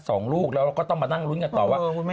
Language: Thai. สองลูกแล้วเราก็ต้องมานั่งลุ้นกันต่อว่า